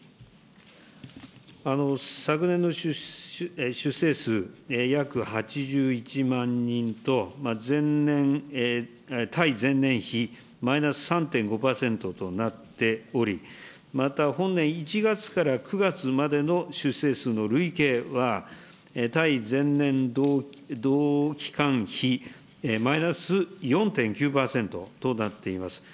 昨年の出生数約８１万人と前年、対前年比、マイナス３．５％となっており、また本年１月から９月までの出生数の累計は、対前年同期間比マイナス４．９％となっています。